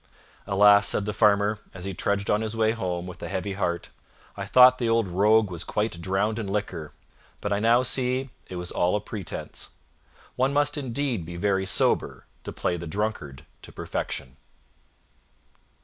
"Alas!" said the Farmer, as he trudged on his way home with a heavy heart, "I thought the old rogue was quite drowned in liquor, but I now see it was all a pretense. One must indeed be very sober to play the drunkard to perfection."